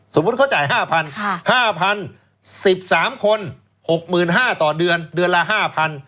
สมมุติเขาจ่าย๕๐๐๐๕๐๐๐๑๓คน๖๕๐๐๐ต่อเดือนเดือนละ๕๐๐๐